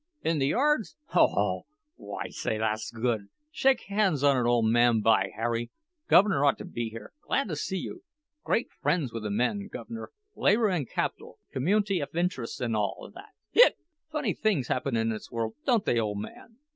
_ In the yards? Ho, ho! Why, say, thass good! Shake hands on it, ole man—by Harry! Guv'ner ought to be here—glad to see you. Great fren's with the men, guv'ner—labor an' capital, commun'ty 'f int'rests, an' all that—hic! Funny things happen in this world, don't they, ole man?